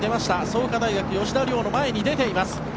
創価大学、吉田凌の前に出ています。